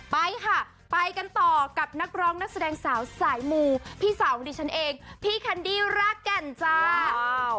ไปค่ะไปกันต่อกับนักร้องนักแสดงสาวสายมูพี่สาวของดิฉันเองพี่แคนดี้รากแก่นจ้า